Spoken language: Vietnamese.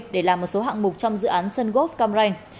để làm một số hạng mục trong dự án sungop cam ranh